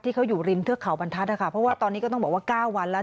ที่เขาอยู่ริมเทือกเขาบรรทัศน์นะคะเพราะว่าตอนนี้ก็ต้องบอกว่า๙วันแล้ว